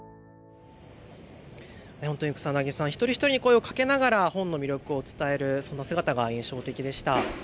草薙さん、一人一人に声をかけながら本の魅力を伝えるそんな姿が印象的でした。